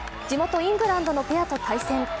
地元・イングランドのペアと対戦。